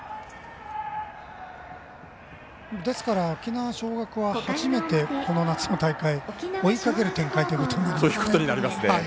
ですから沖縄尚学は初めてこの夏の大会追いかける展開ということですね。